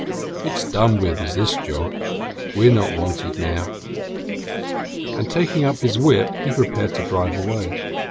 "It's done with is this job. We're not wanted now." And, taking up his whip, he prepared to drive away.